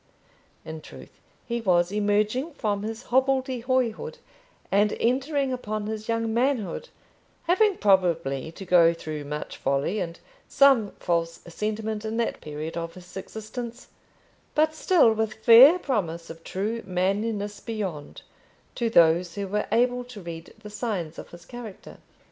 In truth, he was emerging from his hobbledehoyhood and entering upon his young manhood, having probably to go through much folly and some false sentiment in that period of his existence, but still with fair promise of true manliness beyond, to those who were able to read the signs of his character.